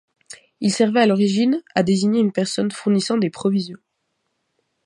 Il servait à l'origine à désigner une personne fournissant des provisions.